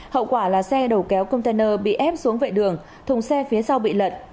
hậu quả là xe đầu kéo container bị ép xuống vệ đường thùng xe phía sau bị lật